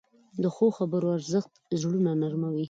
د ښو خبرو ارزښت زړونه نرموې.